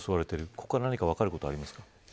ここから何か分かることありますか。